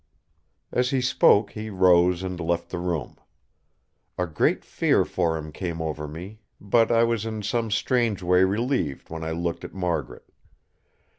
As he spoke, he rose and left the room. A great fear for him came over me; but I was in some strange way relieved when I looked at Margaret.